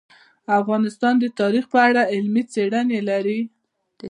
افغانستان د تاریخ په اړه علمي څېړنې لري.